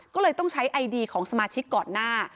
ก็เลยต้องใช้ไอดีของสมาชิกก่อนหน้า